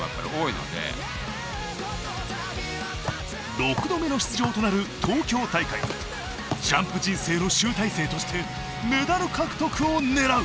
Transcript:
６度目の出場となる東京大会ジャンプ人生の集大成としてメダル獲得を狙う。